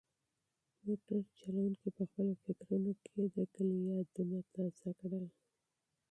موټر چلونکي په خپلو فکرونو کې د کلي یادونه تازه کړل.